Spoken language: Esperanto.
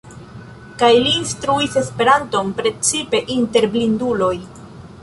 Kaj li instruis Esperanton, precipe inter blinduloj.